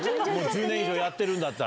１０年以上やってるんだったら。